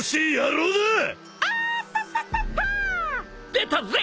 出たぜ！